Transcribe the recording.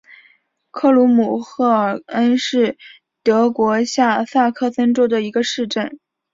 克鲁姆赫尔恩是德国下萨克森州的一个市镇。